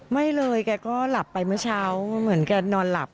ไม่เลยแกก็หลับไปเมื่อเช้าเหมือนแกนอนหลับ